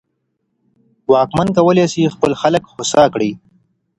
واکمن کولای سي خپل خلګ هوسا کړي.